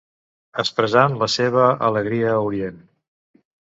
Expressant la seva alegria a Orient.